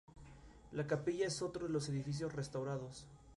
La capilla es otro de los edificios restaurados.